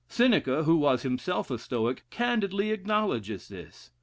Seneca, who was himself a Stoic, candidly acknowledges this.